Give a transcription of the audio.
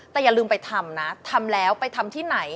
แต่อย่าลืมไปทำนะทำแล้วไปทำที่ไหน